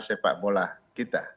sepak bola kita